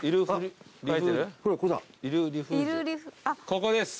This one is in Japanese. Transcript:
ここです。